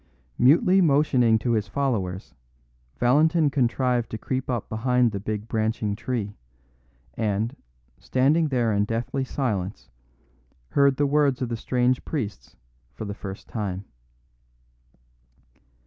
Mutely motioning to his followers, Valentin contrived to creep up behind the big branching tree, and, standing there in deathly silence, heard the words of the strange priests for the first time.